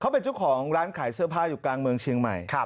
เป็นเจ้าของร้านขายเสื้อผ้าอยู่กลางเมืองเชียงใหม่